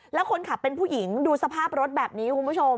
แล้วคนขับเป็นผู้หญิงดูสภาพรถแบบนี้คุณผู้ชม